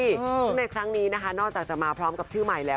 ซึ่งในครั้งนี้นะคะนอกจากจะมาพร้อมกับชื่อใหม่แล้ว